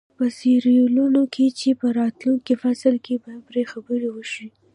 په سیریلیون کې چې په راتلونکي فصل کې به پرې خبرې وشي.